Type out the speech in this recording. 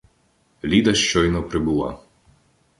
Ліда щойно прибула.